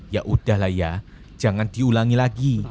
ya udahlah ya jangan diulangi lagi